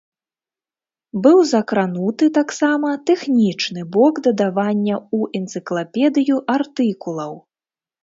Быў закрануты таксама тэхнічны бок дадавання ў энцыклапедыю артыкулаў.